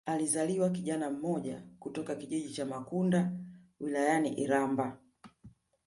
Alizaliwa kijana mmoja kutoka kijiji cha Makunda wilayani Iramba